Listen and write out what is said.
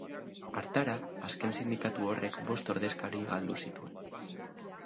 Hartara, azken sindikatu horrek bost ordezkari galdu zituen.